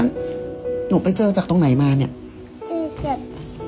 นั่นหนูไปเจอจากตรงไหนมาเนี่ยเออจาก